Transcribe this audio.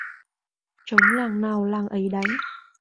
Trống làng nào làng ấy đánh.